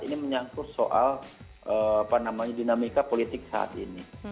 ini menyangkut soal dinamika politik saat ini